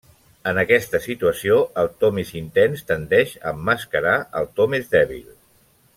En aquesta situació, el to més intens tendeix a emmascarar el to més dèbil.